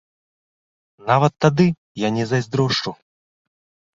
Нават тады я не зайздрошчу.